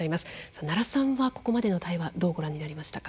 奈良さんはここまでの対話どうご覧になりましたか。